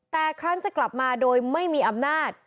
แต่ครั้งจะกลับมาโดยไม่มีอำนาจ